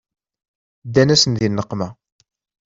Ddan-asen di nneqma.